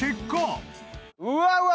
うわうわ